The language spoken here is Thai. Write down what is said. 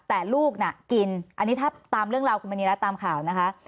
แต่ลูกน่ะกินอันนี้ถ้าตามเรื่องราวคุณมณีรัฐตามข่าวนะคะ